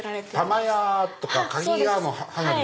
たまや！とかかぎや！の花火？